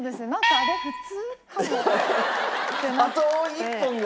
「あと１本」が。